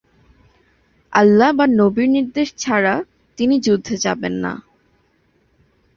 আল্লাহ বা নবীর নির্দেশ ছাড়া তিনি যুদ্ধে যাবেন না।